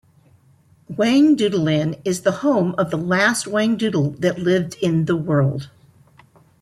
Whangdoodleland is the home of the last Whangdoodle that lived in the world.